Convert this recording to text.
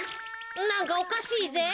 なんかおかしいぜ。